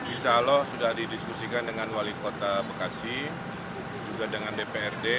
insya allah sudah didiskusikan dengan wali kota bekasi juga dengan dprd